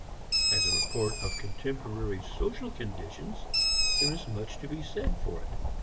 As a report of contemporary social conditions there is much to be said for it.